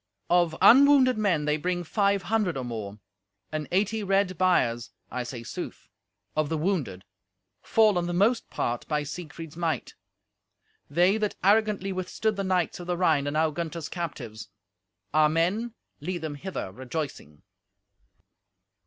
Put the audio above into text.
"Of unwounded men they bring five hundred or more, and eighty red biers (I say sooth) of the wounded, fallen, the most part, by Siegfried's might. They that arrogantly withstood the knights of the Rhine are now Gunther's captives. Our men lead them hither rejoicing."